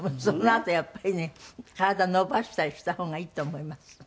そのあとやっぱりね体伸ばしたりした方がいいと思います。